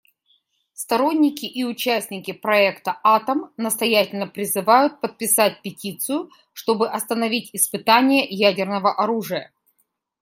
Сторонники и участники проекта "Атом" настоятельно призывают подписать петицию, чтобы остановить испытания ядерного оружия.